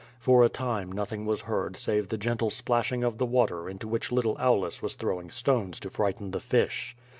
For a time nothing was heard save the gentle splashing of the water into which little Aulus was throwing stones to frighten the fish.